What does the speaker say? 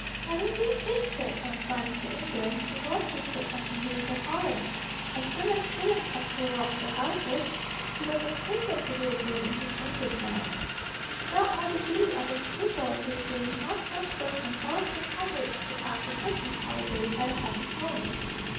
Having been shifted from France to England, it was shifted from England to Holland. As soon as William had prorogued the Houses, he was impatient to be again in his native land. He felt all the glee of a schoolboy who is leaving harsh masters and quarrelsome comrades to pass the Christmas holidays at a happy home.